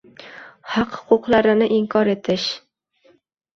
Haq-huquqlarni inkor etish